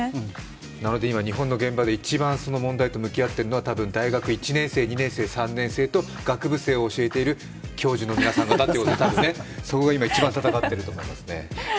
日本の現場で一番問題と向き合っているのは多分、大学１年生、２年生、３年生と学部生を教えている教授の皆さんそこが今一番、戦っていると。